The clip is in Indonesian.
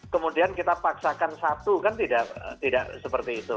kemudian kita paksakan satu kan tidak seperti itu